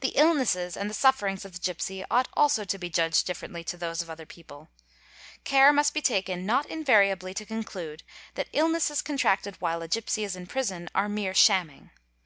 The illnesses and the sufferings of the gipsy ought also to be judged Gifferently to those of other people. Care must be taken not invariably to conclude that illnesses contracted while a gipsy is in prison are mere z shamming.